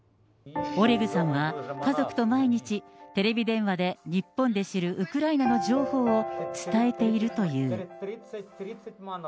オレグさんは、家族と毎日テレビ電話で日本で知るウクライナの情報を伝えているという。